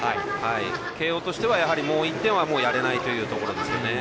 慶応としては、もう１点はやれないというところですね。